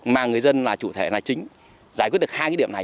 mà người dân là chủ thể là chính giải quyết được hai cái điểm này